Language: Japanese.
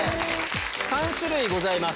３種類ございます